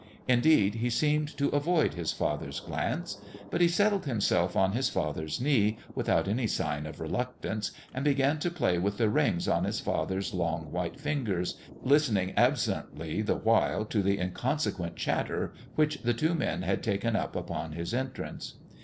Indeed, he seemed to avoid his father's glance ; but he settled himself on his father's knee, without any sign of reluctance, and began to play with the rings on his father's long white fingers, listening absently, the while, to the inconsequent chatter which the two men had taken up upon his en trance.